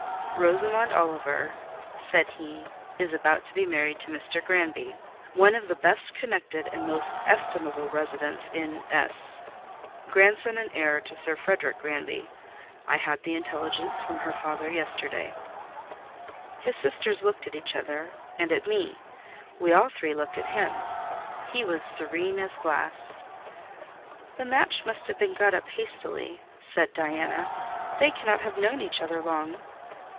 "Rosamond Oliver," said he, "is about to be married to Mr. Granby, one of the best connected and most estimable residents in S——, grandson and heir to Sir Frederic Granby: I had the intelligence from her father yesterday." His sisters looked at each other and at me; we all three looked at him: he was serene as glass. "The match must have been got up hastily," said Diana: "they cannot have known each other long."